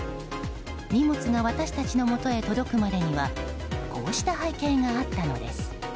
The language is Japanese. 荷物が私たちのもとに届くまでにこうした背景があったのです。